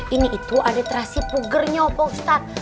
ini itu adik terasi puggernya pak ustadz